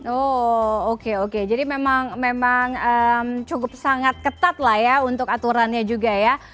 oh oke oke jadi memang cukup sangat ketat lah ya untuk aturannya juga ya